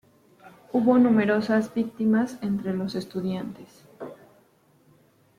Hubo numerosas víctimas entre los estudiantes.